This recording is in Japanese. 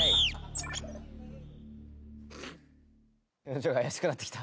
表情が怪しくなってきた。